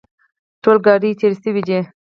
ټول ګاډي تېر شوي دي.